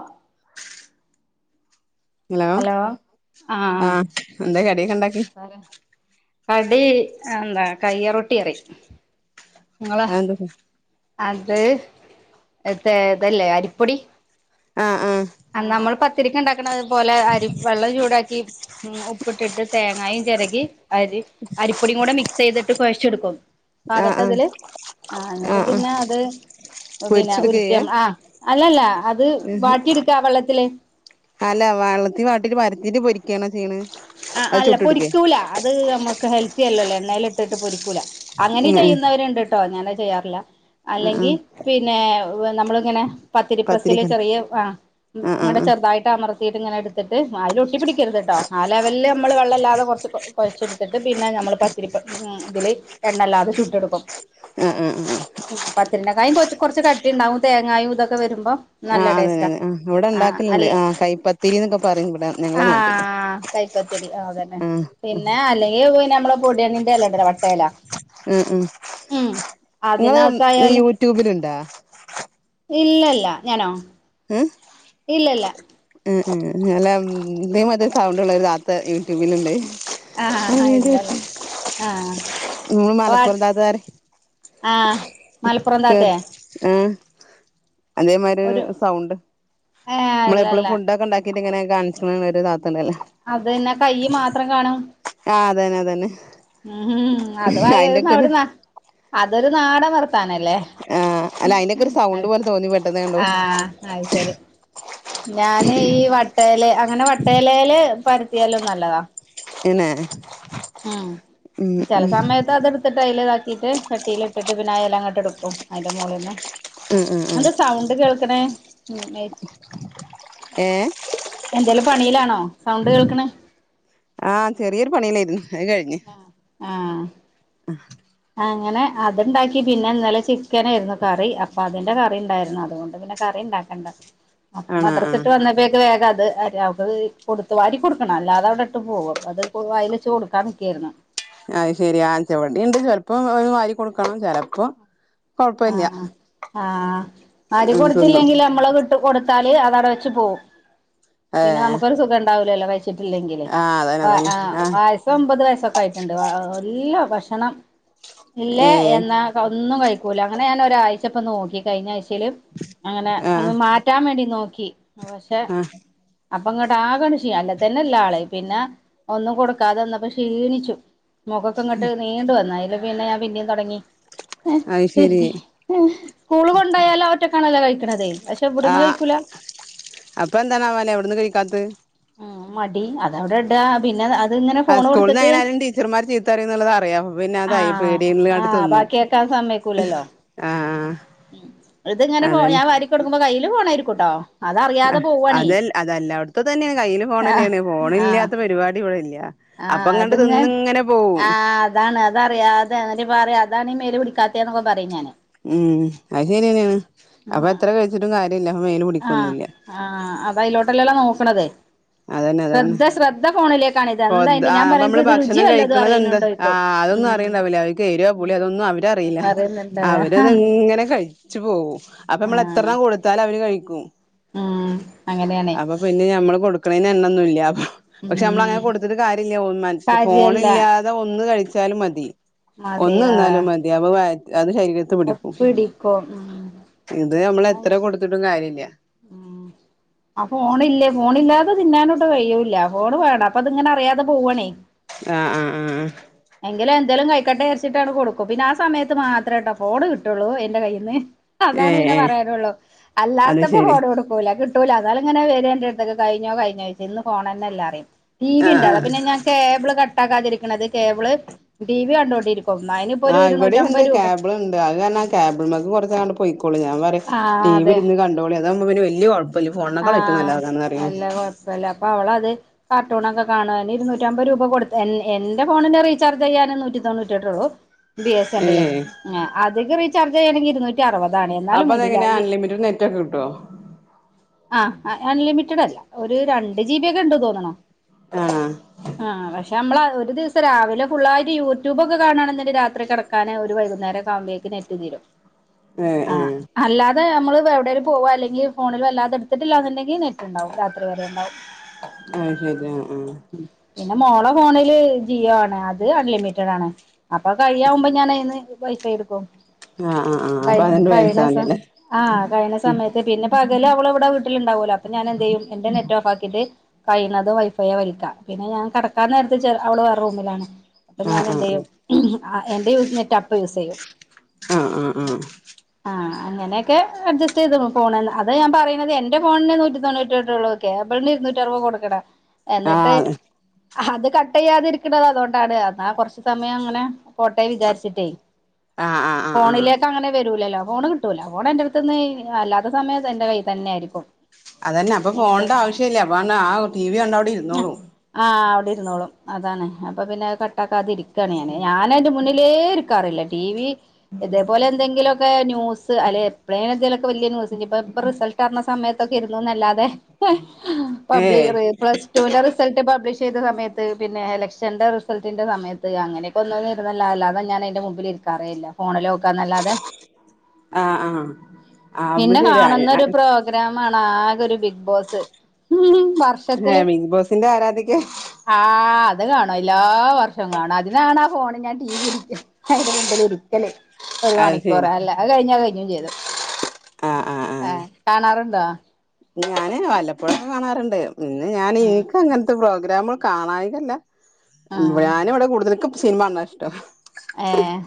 ആ ഹലോ ആഹ് ആഹ എന്താ കടിയൊക്കെ ഉണ്ടാക്കി കടി എന്താ കയ്യറൊട്ടി പറിം ഇങ്ങളാ അതെന്താ അത് എത്തെ തല്ലേ അരിപ്പൊടി ആഹ് ആഹ് നമ്മള് പത്തിരിക്ക ഉണ്ടാക്കണം അതുപോലെ അരി വെള്ളം ചൂടാക്കി ഉം ഉപ്പിട്ടിട്ട് തേങ്ങായും ചിരകി അരി അരിപ്പൊടിയും കൂടെ മിക്സ് ചെയ്തിട്ട് കുഴച്ചെടുക്കും ആഹ് പാകത്തെ ആഹ് തില് ആ ന്നട്ട് ആഹ് ആഹ് പിന്നെ അത് പിന്നെ പൊരിച്ചെടുക്ക ചെയ്യാ ഉരുറ്റം ആ അല്ലല്ല അത് വാട്ടിയെടുക്ക താ വള്ളത്തില് അല്ല വെള്ളത്തി വാട്ടീട്ട് പര്ത്തീട്ട് പൊരിക്കണോ ചെയ്ണ് ആ അല്ല പൊരിക്കൂല അത് നമുക്ക് ഹെൽത്തിയല്ലല്ലോ എണ്ണേൽ ഇട്ടിട്ട് പൊരിക്കൂല അങ്ങനെ ഉം ഉം ചെയ്യുന്നവരുണ്ട്ട്ടോ ഞാൻ ചെയ്യാറില്ല ആഹ് അല്ലെങ്കി ആഹ് പിന്നെ നമ്മളിങ്ങനെ പത്തിരിപ്രസ്സിൽ പത്തിരിക്ക് ചെറിയ ആ ആഹ് ആഹ് [unintelligible] ആഹ് ചെറുതായിട്ട് അമർ [unintelligible] വായില് ഒട്ടിപ്പിടിക്കരുത് ട്ടൊ ലെവല് നമ്മൾ വെള്ളല്ലാതെ കുറച്ച് കൊ കുഴച്ചെടുത്തിട്ട് പിന്നെ നമ്മൾ പത്തിരിപ്പ അഹ് ഇതില് എണ്ണല്ലാതെ ചുട്ടെടുക്കും അഹ് ആഹ് ഉം പത്തിരിനകായിം പോച് കൊറച്ച് കട്ടിണ്ടാവും തേങ്ങായും ഇതൊക്കെ വരുമ്പോ നല്ല ആഹ് അതന്നെ ടേസ്റ്റാ ഇവിടെ ആ ഇവിടെണ്ടാക്കൽണ്ട് അല്ല ആഹ് കൈപ്പത്തിരിന്നൊക്കെ പറയും ഇവിടെ ഞങ്ങളെ നാട്ടിൽ ട്ടിപ്പത്തിരി ആഹ് അതന്നെ പിന്നെ അല്ലെങ്കി പിന്നെ നമ്മളെ പൊടെന്നെ [unintelligible] വട്ടല ആഹ് ഉം അതിനകത്ത ആയാലും ട്യൂബിലുണ്ടോ ഇല്ലല്ല ഞാനോ? ഏഹ് ഇല്ലല്ല ഉം ഉം ങ്ങലം ഇതേ മാര്തെ സൗണ്ട്ള്ള ഒരു താത്ത യൂട്യൂബിലുണ്ട് അഹ് ആഹ് ഏത് ഇല്ലല്ല ആഹ് മ്മ വ മലപ്പുറം താത്തരെ ആഹ് മലപ്പുറന്താത്തെ ആഹ അതേമാരി ഒരു സൗണ്ട് ഏഹ് നമ്മളെപ്പോഴും അല്ലല്ല ഫുഡക്കെ ണ്ടാക്കിട്ട്ങ്ങനെ കാണിച്ച്ണ ഒരാത്തണ്ടല്ലേ അതെന്നെ കൈ മാത്രം കാണും ആഹ് അതന്നെ അതന്നെ ഉംം അത് അയിന്റെക്കെ ഒരു അവിടെ അതൊരു നാടൻ വർത്താനല്ലേ ആഹ് അല്ല അതിനൊക്കെ ഒരു സൗണ്ട് പോലെ തോന്നി പെട്ടന്ന കണ്ടോ അത് ശരി ഞാൻ ഈ വട്ടയില അങ്ങനെ വട്ടയിലേല് പരത്തിയാലോ നല്ലതാ പിന്നെ ഉം ഉം ചില ഉം സമയത്ത് അതെടുത്ത് [unintelligible] ചട്ടിൽ ഇട്ടിട്ട് പിന്നെ ആഹ് ഇല അങ്ങട്ട്എടുക്കും അയ്ന്റെ മോളീന്ന് ആഹ് ആഹ് എന്ത ആഹ് സൗണ്ട് കേൾക്ണേ [inaudible] ഏഹ് എന്തെലും പണിയിലാണോ സൗണ്ട് കേൾക്ണ് ആഹ് ചെറിയൊരു പണിയിലായിരുന്നു അത് കഴിഞ്ഞ് ആഹ് അങ്ങനെ അത്ണ്ടാക്കി പിന്നെ ഇന്നലെ ചിക്കനായിയിരുന്നു കറി അപ്പൊ അതിന്റെ കറി ഉണ്ടായിരുന്നു അതുകൊണ്ട് പിന്നെ- കറി ഉണ്ടാക്കേണ്ടത് അപ്പൊ ആണോ മദ്രസ ആഹ് വിട്ട് വന്നപ്പോഴേക്ക് വേഗം അത്- അത് കൊടുത്തു വാരി കൊടുക്കണം അല്ലാതെ അവിടെ ഇട്ട് പോകും അ അത് അതിൽ വായിൽ വച്ച് കൊടുക്കാൻ നിക്കായിരുന്നു അത് ശെരി ഇവിടെ ഉണ്ട് ചിലപ്പോൾ ഒരു വരി കൊടുക്കണം ചിലപ്പോൾ ആഹ ആഹ് വാരി ഉം തിന്നും കൊടുത്തില്ലെങ്കിൽ നമ്മള് വിട്ടുകൊടുത്താൽ അത് അവിടെ വെച്ച് പോകും പിന്നെ ഏഹ് നമുക്കൊരു സുഖം ഉണ്ടാവലല്ലോ കഴിച്ചിട്ടില്ലെങ്കില് ആഹ് അതന്നെ അതന്നെ [unintelligible] ആ ആഹ് [unintelligible] ഇപ്പൊ ഒമ്പത് വയസ്സൊക്കെ ആയിട്ടുണ്ട് എല്ല ഭക്ഷണം ഇല്ലേ ഏഹ് എന്നാ ഒന്നും കഴിക്ക [unintelligible] അങ്ങനെ ഞാൻ ഒരാഴ്ച്ച ഇപ്പൊ നോക്കി കഴിഞ്ഞ ആഴ്ചയില് അങ്ങനെ ആഹ് അന്ന് മാറ്റാൻ വേണ്ടി നോക്കി പക്ഷെ- ആഹ് അപ്പൊ ഇങ്ങോട്ട് ആകെ അങ്ങോട്ട് ക്ഷണിച്ചു അല്ല തന്നെയില്ല ആള് പിന്നെ ഒന്നും കൊടുക്കാതെ വന്നപ്പോ ക്ഷീണിച്ചു മുഖൊക്കെ ഇങ്ങോട്ട് നീണ്ടു വന്ന് അതില് പിന്നെ ഞാൻ പിന്നെ തുടങ്ങി [inaudible] അത് ശെരി സ്കൂള് കൊണ്ടായാല ഒറ്റയ്ക്കണല്ലേ കഴിക്കുന്നത് പക്ഷെ ആ ഇവിട്ന്ന് കഴിക്കൂല അപ്പൊ എന്താണാവോ [unintelligible] അവിടുന്ന് കഴിക്കാത്ത് ഉം മടി അത് അവിടെ ഇടുക പിന്നെ- അതിങ്ങനെ ആ ഫോണ് സ്കൂളിൽ കൊടുത്തിട്ട് അങ്ങനെ ആരെങ്കിലും ടീച്ചർമാർ ചീത്ത പറയും എന്നുള്ളത് അറിയാം പിന്നെ അതായി പേടി ആഹ് ഇല്ലാതെ ആഹ് തിന്നു ബാക്കിയാക്കാൻ ആഹ് ആഹ് ഉം ഇത് ഇങ്ങനെ [unintelligible] അതന്നെ ഞാൻ വാരി കൊടുക്കുമ്പോ കയ്യിയില് ഫോൺ ആയിരിക്കും കേട്ടോ അത് അതല്ലായിടത്തും തന്നെയാണ് കയ്യിയില് ഫോണ് ആഹ് തന്നെയാണ് ഫോൺ ആഹ് ഇല്ലാത്ത പരിപാടി ഇവിടെ ഇല്ല ആഹ് അപ്പോയെങ്ങാണ്ട് അതിങ്ങ തിന്നു ഇങ്ങനെ പോവും ആഹ് അതാണ് അത് അറിയാതെ പറയും അതാണ് ഈ മേല് പിടിക്കാത്തെ എന്നൊക്കെ പറയും ഞാന് ഉം അത് ശരി തന്നെയാണ് അപ്പൊ എത്ര കഴിച്ചിട്ടും കാര്യയില്ല മേല് - ആഹ് ആഹ് അത് അതിലോട്ടലല്ലോ നോക്കണത് ശ്രദ്ധ ശ്രദ്ധ ഫോണിലെ - ആഹ് നമ്മള് ഭക്ഷണം കഴിക്കണത് എന്ത്‌ ആ അറിയണുണ്ടോയിക്കും ഉം അതൊന്നും അറിയണ്ടാവില്ല അവര് ഏരിവോ പുളിയൊ ഉം അതൊന്നും അവരറിയില്ല ഒന്നറിയുന്നുണ്ടതാ അവര് അതിങ്ങനെ കഴിച്ചു പോകും അപ്പ നമ്മള് ആഹ് എത്രയെണ്ണം കൊടുത്ത്- കൊടുത്താൽ അവർ കഴിക്കൂ ഉം അങ്ങനെയാണേ അപ്പൊ പിന്നെ ഞമ്മള് കൊടുക്കണെന്ന് എണ്ണം ഒന്നുയില്ല അപ്പൊ പക്ഷെ ഉം നമ്മളങ്ങനെ- കൊടുത്തിട്ട് കാര്യമില്ല മനുഷ്യന് ഫോൺ കാര്യല്ല ഇല്ലാതെ ഒന്ന് കഴിച്ചാലും മതി മതി ഒന്ന് ആഹ് തിന്നാലും മതി അപ്പൊ അത് ശരീരത്ത് പിടിക്കും ഒപ്പിടിക്കും ഉം ഇത് നമ്മള് എത്ര കൊടുത്തിട്ടും കാര്യയില്ല ഉം ആ ഫോണില്ല ഫോണ് ഇല്ലാതെയൊട്ട് കഴിയൂല്ല ഫോണ് വേണം അപ്പൊ അത് ഇങ്ങനെ അറിയാതെ പോവണേ ആഹ് ആഹ് ആഹ് ആഹ് എങ്കിലേ എന്തെങ്കിലും കഴിക്കട്ടെ വിചാരിച്ചട്ട് അങ്ങട് കൊടുക്കും പിന്നെ ആ സമയത്ത് മാത്രേട്ടോ ഫോണ് കിട്ടുള്ളൂ എന്റെ കയ്യിൽ നിന്ന്- ഏ അതാണ് പിന്നെ ഏ പറയാനുള്ളൂ അല്ലാത്ത അത് ശരി കൊടുക്കൂല കിട്ടൂല അതേൽ ഇങ്ങനെ വരും എന്റെടുതക്ക് കഴിഞ്ഞോ കഴിഞ്ഞോ ചോയ്ച് ഇന്ന് പോണന്നെല്ല പറിയും ടി വി ആ ആ ഉണ്ടാോ പിന്നെ ഞാൻ കേബിൾ കട്ട ആക്കാതിരിക്കണുന്നത് കേബിള് ടി വി കണ്ടുകൊണ്ടിരിക്കും അതിന് ആഹ് ഇവിടെ ഉണ്ട് കേബിൾ ഉണ്ട് അത് കാരണ കേബിൾമക്ക് കൊട്ത്ത് അങ്ങട്ട് പൊക്കോളും ഞാൻ പറയ്യും ആ ടി വി അതെ ഇരുന്ന് കണ്ടോളി അതാവുമ്പ പിന്ന വലിയെ കൊയപ്പം ഇല്ല ഫോൺ മ്മേ കളി ഏറ്റവും നല്ലതന്ന പറയുന്നേ അല്ല അപ്പൊ അവൾ അത് കാർട്ടൂന്നൊക്കെ കാണാൻ ഇരുന്നൂറ്റ അമ്പത് രൂപ കൊടുത്ത് എന്റെ ഫോണിന്റെ റീചാർജ് ചെയ്യാൻ നൂറ്റി തൊണ്ണറ്റിെട്ടുള്ളൂ ബി എസ് എൻില് ഏഹ് അതിക്ക് റീചാർജ് ചെയ്യുകണെങ്കിൽ ഇരുന്നൂറ്റി അറുപതാണ് എന്നാലും അപ്പൊ വേണ്ടിനില്ല അതെങ്ങനെ അൺലിമിറ്റഡ് നെറ്റ് ഒകെ കിട്ടോ കേട്ടോ ആഹ് അൺലിമിറ്റഡ് അല്ല ഒരു രണ്ട് ജിബിയ ഒക്കെ ഉണ്ട് തോനിണു ആഹ് ആ പക്ഷെ നമ്മള ഒരു ദിവസം രാവിലെ ഫുള്ളായിട്ട് യൂട്യൂബൊക്കെ കാണാണ് എന്ന് രാത്രി കിടക്ക കാരണം രു വൈകുന്നേരം ആവുമ്പോയേകും നെറ്റ് തീരും ആഹ് ഏഹ് അല്ലാതെ നമ്മൾ എവിടേലും പോവാ അല്ലെങ്കി ഫോൺ വല്ലാതെ എടുത്തിട്ടില്ലാ ഉണ്ടങ്കി ന്റൽ നെറ്റ് ണ്ടാവും രാത്രി വരെ ഉണ്ടാവും അത് ശരി ആഹ് പിന്നെ മോളെ ഫോണില് ജിയോ ആണ് അത് അൺലിമിറ്റഡ് ആണ് അപ്പൊ കഴിയാവുമ്പോ ഞാൻ അയ്‌ന്ന് വൈഫ്ഐ എടുക്കും എടുക്കും ആഹ് ആഹ് ആഹ് ആഹ് അപ്പൊ അഹ് അതണ്ട് കയ്യണേ മേടിച്ചാ സ മതിയല്ലേ ആഹ് കയ്യണേ സമയത്ത് പിന്നെ പകല് അവള് ആഹ് അവൾ വീട്ടുണ്ടാവലോ അപ്പൊ ഞാൻ എന്തയും എന്റെ നെറ്റ് ഓഫ്‌ അകിട്ട് കഴിയുന്നതും വൈഫൈെ വലിക്ക പിന്നെ ഞാൻ കടക്കാൻ നേരത്തെ അവള് വേ റൂമിലാണ് അപ്പൊ ആഹ് ഞാൻ എന്ത് ആഹ് ചെയ്യും എന്റെ യൂസ് നെറ്റ് അപ്പ യൂസ് ചെയ്യും ആഹ് ആഹ് ആഹ് ആഹ് ആഹ് അങ്ങനെയൊക്കെ അഡ്ജസ്റ്റ് ചെയ്ത പൊണു അത ഞാൻ പറയ എന്റെ ഫോണിന് നൂറ്റി തൊണ്ണൂറ്റി എട്ട്ള്ളു കേബിളിന് ഇരുന്നൂറ്റ അറുപത് കൊടുക്കണം എന്നിട്ട് അത് കട്ട് ചെയ്യാതിരിക്കണത് അതുകൊണ്ടാണ് എന്നാ കൊറച്ച സമയം അങ്ങനെ പോട്ടെ വിചാരിച്ചിട്ടേ ആഹ് ആഹ് ആഹ് ആഹ് ഫോണില അങ്ങനെ വരൂലല്ലോ ഫോണ് കിട്ടൂല ഫോൺ എന്റെ അടുത്ത് നിന്ന് അല്ലാത്ത സമയത്ത് എൻന്റെ കൈൽന്ന ആയിരിക്കും അതന്നെ അപ്പൊ എനിക്ക് ഫോണിന്റെ ആവശ്യല്ലേ അപ്പ ആ ടി വി കണ്ട അവിടെ ഇരുന്നോളൂ ആ് അവിടെ ഇരുന്നോളും അതാണ് അപ്പൊ പിന്നെ കട്ടാക്കാതിരിക്കാണ് ഞാൻ ഞാന അയ്‌ന്റെ മുന്നിലേ കാറില്ല ടിവി ഇതേപോലെ എന്തെങ്കിലുമൊക്കെ ന്യൂസ് അല്ല എപ്പലേലും എന്തേലും ന്യൂസ് ഇപ്പോ റിസൾട്ട് അറിഞ്ഞ സമയത്ത് ഒക്കെ നോക്കി ഇരുന്നു അല്ലാതെ പബ്ലിക് ഏഹ് പ്ലസ് ടുവിൻന്റെ റിസൾട്ട് പബ്ലിഷ് ചെയ്ത സമയത്ത് പിന്നെ എലക്ഷന്റെ റിസൾട്ടിന്റെ സമയത്ത് ത്അങ്ങനെപ്പൊന്നതേർന്നല്ല അല്ലാതെ ഞാൻ അയ്‌ന്റെ മുമ്പി ലിരിക്കാറേ യില്ല ഫോണിലോക്കാന്നല്ലാതെ ആഹ് ആഹ് ആഹ് അപ്പൊ പിന്നെ ശരിയാ കാണുന്നൊരു പ്രോഗ്രാമാണാകൊരു ബിഗ്ഗ്‌ബോസ് വർഷത്തില് ഏഹ് ബിഗ് ബോസിന്റെ ആരാധികയാ ആ അത് കാണുല്ലാ.. വർഷംകാണും അതിനാണാ ഫോണ് ഞാൻ ടി വി ഇരിക്ക അയ്ന്റെ മുമ്പിലിരിക്കല് ഒരു അത് ശരി മണിക്കൂറ് അല്ല അത് കയ്ഞ്ഞാ കയ്ഞ്ഞും ചെയ്തു. ആഹ് കാണാറുണ്ടോ? ഞാന് വല്ലപ്പോഴൊക്കെ കാണാറ്ണ്ട് ഇന്ന് ഞാന് ആഹ് ഇന്ക്കങ്ങൻത്തെ പ്രോഗ്രാമ് കാണായികല്ല മ് ആഹ് ഞാന് വടെ കൂടുതല് ക്ക്സിൻമ കാണണാ ഇഷ്ട്ടം ഏഹ്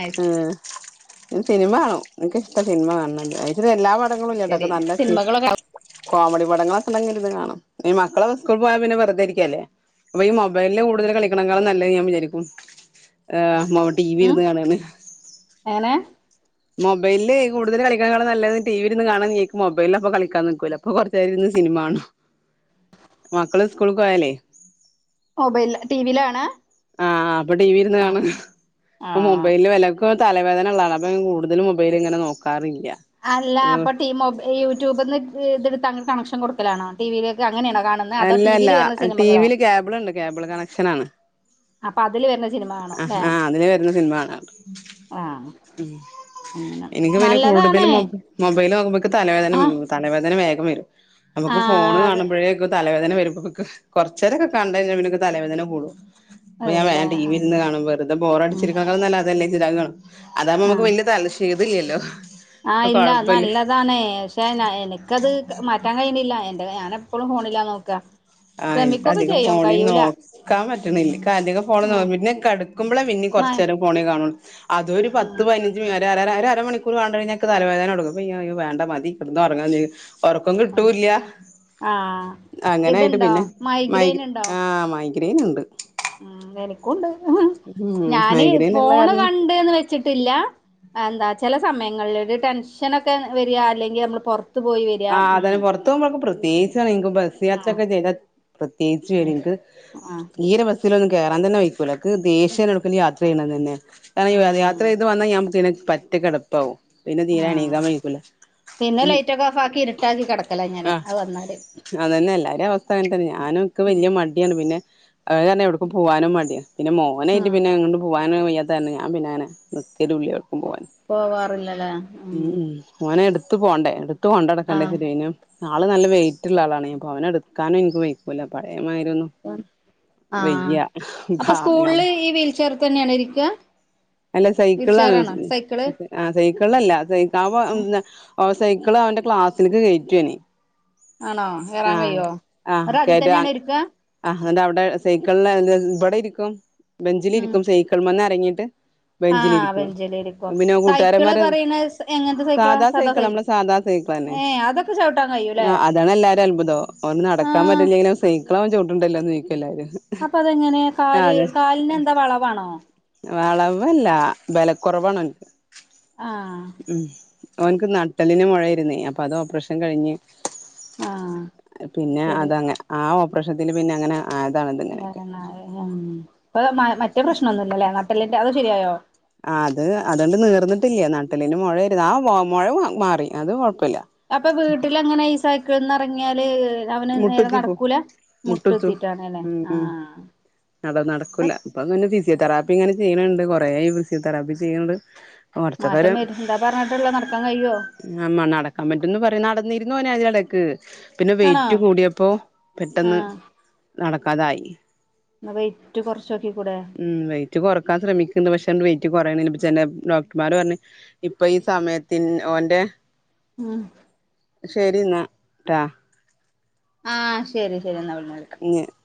അഹ് ഏഹ് സിനിമ കാണും ഇന്ക്ക് ഇഷ്ട്ടാ സിനിമ കാണണത് അതും എല്ലാ പടങ്ങളുല്ല്യാട്ടാക്ക് ശരി നല്ല സി സിനിമകളൊക്കെ കോമഡി പടങ്ങളക്കെ ഇണ്ടങ്കി ഇര്ന്ന് കാണും അയ്ന് മക്കളൊക്കെ സ്കൂള് പോയാ പിന്നെ വെറുതെ ഇരിക്കല്ലേ അപ്പഈ മൊബൈലില് കൂടുതല് കളിക്കണക്കാളും നല്ലയ് ഞാവിചാരിക്കും യേ ഉം ടിവിര്ന്ന് കാണാണ് എങ്ങനെ മൊബൈല് കൂടുത ളി ക്കാൻ കാണണം നല്ലത് ടിവിൽരുന്ന് കാണാനിക്ക് മൊബൈലിൽ കൂടുതല് കളിക്കാക്കാളും നല്ലത് ടീവിര്ന്ന് കാണാന്ന് ഇന്ക്ക് മൊബൈലിലപ്പ കളിക്കാൻ നിൽക്കൂല അപ്പൊ കൊറചേരര്ന്ന് സിനിമകാണും മക്കള് സ്കൂള്ക്ക് പോയാലെ മൊബൈല ടിവീലാ കാണാ? ആഹ് അപ്പൊ ടി വി ഇരുന്ന് കാണ ഇപ്പൊ ആഹ് മൊബൈലില് വല്ല ഇക്കൊക്കെ തലവേദന ഇള്ള ആളാണ് അപ്പ ഞാൻ കൂടുതലു മൊബൈലി ഇങ്ങനെ നോക്കാറില്ല അല്ലാ അപ്പടീമോബൈ ഈ യൂറ്റൂ ബ്ന്ന് ഈത്ട്തങ്ങട്ട് കണക്ഷൻ കൊട്ക്കലാണോ ടിവീലേക്ക് അങ്ങനേ ണോ കാണ്ന്ന അല്ലല്ലാ ടീവീ ല് കേബിള്ണ്ട് കേബിള് കണക്ഷനാണ് അപ്പൊ അതില് വരുന്ന സിനിമ കാണും ല്ലേ ആഹാ അതിന് വരുന്ന സിനിമകാണാണ്ട്.. ആഹ് അങ്ങനെ ഇനിക്ക്പിന്നെ കൂടുതല് നല്ലതാണ് മൊബൈല് നോക്ക്മ്പൊ ഇൻക്ക് തലവേദനമ് ആഹ് തലവേദന വേഗം വരും നമുക്ക് ഫോണ് ആഹ് അത് കാണുമ്പഴെ ക്ക് തലവേദനവരുമ്പക്കക്ക് കൊറച്ചേരക്ക കണ്ടയിഞ്ഞപിന്നങ്ങ് തലവേദന കൂടും അപ്പൊ ഞാവേ വരൂലേ ആഹ് ടിവിര്ന്ന് കാണുംവെറുതെ ഉം ബോറടിചിരിക്കണക്കാളും നല്ലത് അതല്ലേച്ച്ട്ട് കാണും അതാവുമ്പോ ഞമ്മക്ക് ആഹ് വല്ല്യതല ചെയ്തില്ല്യല്ലോ ആഹ് ഇല്ലള്ളാ അല്ലത് അതാണ്ക്ഷെയ്ന എനിക്കത് മാറ്റാകയ്യിണില്ല എന്റെ അ ഞാനെപ്പളും ഫോണിലാനോക്കാ ആഹ ഇപ്പധികം ഫോണിന് നോക്ക ഇക്കാപറ്റ്ണില്ല ഇക്കധികം [unintelligible] ൻ പറ്റണില്ല ഉം [unintelligible] പിന്നെ കട്കുമ്പളെ പിന്നീം മ കൊറച്ചേരം ഫോണില് കാണൊള്ളു അതൊരു പത്ത് പയ്ന ഇജിം അരരര ഒരരമണിക്കൂറണ്ടയ്ഞ്ഞാല് ഇക്ക് തലവേദന ട്ങ്ങുംഅപ്പ അയ്യോ വേണ്ട മതി കെട്ന്നൊറങാന്ന് ക ഉറക്കം കിട്ടൂല്ല്യാ ആഹ് അങ്ങനാ ഇതുണ്ടോ യിട്ട്പിന്നെ മൈ മൈഗ്രെയിൻ ഗ്രെ ഉണ്ടോ ആഹ മൈഗ്രെ മൈ ഗ്രീന്ണ്ട് ഉം നെനി ക്കൂണ്ട് ഉം ഞാനെ മൈഗ്രെയിൻ ഇള്ള ഫോണ് കാരണം കണ്ട്ന്ന് വെച്ച് ച്ചിട്ടില്ലാ അന്താ ചെല സമയങ്ങളിലൊരു ടെൻഷനൊക്കെ വരാ അല്ലെങ്കിഅമ്മള് പൊറ ആഹ് അതെ പൊറത്ത്പോവുമ്പമുക്ക് പ്രേത്യേകിച്ചറിയാം ആഹ് ബസ്സ്യാത്രയൊക്കെ ചെയ്യിമ്പ പ്രത്യേകിച്ചി ഒരും ഉം ഇൻക്ക് ആഹ് തീരെ പ ബസിൽലൊന്നും കേറാൻ തന്നെ വൈക്കൂല ഇക്ക് ദേഷ്യാണ് എടുക്കെങ്കിലും യാത്ര ചെയ്യണതന്നെ. കാരണം യാത്ര ഉം ചെയ്ത് വന്നാ ഞാൻ പിന്നെ പറ്റ കിടക്കും പിന്നെ തീരെ എണീക്കാൻ വഴിക്കൂല ഉം ഓഫാക്കി ഇര്ട്ടാക്കികിടക്കല. ആ അത്തന്നെ എല്ലാരേം അവസ്ഥ അങ്ങനത്തന്നെ ഞാനും ഇക്ക്‌ ഉം വല്യ മടി പിന്നെ അത് കാര്ണം എവിടക്ക് പോകാനും മടിയാണ് പിന്നെ മോനായിട്ട് ആഹ് പിന്നെ പോവാന് വെയ്യത്ത കാർണം ഞാൻ പിന്നങ്ങനെ നിക്കലുല്ല്യ എവിടേക്കും പോവാൻ പോവാറില്ലല്ലേ ഉം ഉം മോനെ ഇടുത്ത് പോകണ്ടേ ഇടുത്ത് കൊണ്ട് ആഹ് നടക്കണ്ടേച്ച്ട്ട് പിന്നെ. ആള് നല്ല വെയിറ്റുള്ള ആളാണ് പ്പൊ അവനെ ഇടുക്കാനും എനിക്ക് വെയക്കൂല്ല പഴയമായിരൊന്നും ആ അപ്പൊ സ്കൂളില് ഈ വീൽചയർ തന്നെയാണോ ഇരിക്ക? അല്ല സൈക്കിളാണ് ഉള്ളത്. ആ സൈക്കിളല്ല സെ അവ സൈക്കിള് അവന്റെ ക്ലാസ്സിലേക്ക് കയറ്റുഓൻ. ആണോ കേറാൻ കയിയോ ന്നിട്ട് അതി തന്നെയണോ ഇരിക്ക ആ് അ അവിടെ സൈക്കിള ഇവിടെ ഇരിക്കും ഉം ബെഞ്ചിലിരിക്കും സൈക്കിൾമെന്ന് ഇറങ്ങിയിട്ട് ആഹ് ബെഞ്ചിലിരിക്കും ബെഞ്ചില് ഇരിക്കും പിന്നെ സൈക്കിള് കൂട്ടുകാരന്മാര് പറയണ എങ്ങനത്തെ സൈക്കിളാ സാധാ സാദാ സൈക്കിള്ളാ സൈ നമ്മളെ. സാധാ സൈക്കള് തന്നെ ഏഹ് അതൊക്കെ ചവിട്ടാൻ കഴിയൂല്ലേ ആ അതാണ്ല്ലാ അത്ഭുതം ഓൻ നടക്കാൻ ആഹ് പറ്റില്ലെങ്കിലും സൈക്കളവൻ ചോട്ടണ്ടല്ലോന്ന് ചോയിക്കും എല്ലാരും അപ്പൊ അതെങ്ങനെ ആഹ് കാല് അതെ കാലിന് എന്താ വളവാണോ? വളവല്ല ബല കുറവാണ് ആഹ് ഉം ഒൻക്ക് നട്ടലിന് മുഴയിരുന്നേ അപ്പൊ അത് ഓപ്പറേഷൻ കഴിഞ്ഞ്. ആഹ് അത് പിന്നെ ശരി അതങ്ങെ ആ ഓപ്പറേഷത്തിന് പിന്നെ അങ്ങന [unintelligible] ഇപ്പോ മ മറ്റേ പ്രശ്നൊന്നുല്ലല്ലേ നട്ടല്ലിന്റെ അത് ശരിയായോ ആ അത് അതണ്ട് നീർന്നിട്ടില്ല നട്ടെല്ലിന് മുഴ ആയിരുന്നു ആ മുഴ മാറി അത് കൊഴപ്പമില്ല. അപ്പൊ വീട്ടില് എങ്ങനെ ഈ സൈക്കിൾന്ന് എറങ്ങിയാല് ഉ അവന് നേരെ മുട്ടുത്തിപ്പോ നടക്കൂല മുട്ട് മുട്ടുത്തും കുത്തിട്ടാണ് അല്ലേ ഉം ഉം ആഹ് നട നടക്കൂല്ല ഇപ്പന്നെ ഫിസിയോതെറാപ്പി ഇങ്ങനെ ചെയ്യണണ്ട് കൊറെേ ആയി ഫിസിയോതെറാപ്പി ചെയ്യണ്ട്. കൊറച്ചൊക്കെ മാറ്റം വരും എന്താ പറഞ്ഞിട്ടള്ള നടക്കാൻ കഴിയുവോ ആ നം നടക്കാൻ പറ്റുംന്ന് പറയും നടന്നിരുന്നു ഓൻ ഇടക്ക് പിന്നെ വെയ് ആണോ റ്റു കൂടിയപ്പോ പെട്ടെന്ന് ആഹ് നടക്കാതായി എന്ന വെയിറ്റ് കൊറച്ചോക്കിക്കൂടെ? ഉ വയിറ്റ് കൊറക്കാൻ ശ്രമിക്ക്‌ണ്ട് പക്ഷെ അങ്ങട്ട് വെയിറ്റ് കുറയണില്ലാ ചെലപ്പോ ഡോക്ടർമാർ പറഞ്ഞ് ഇപ്പൊ ഈ സമയത്തിന് ഓന്റെ ഉം ശരി എന്നാ ട്ടാ ആഹ് ശരി ശരി എന്നാ പിന്നെ [unintelligible]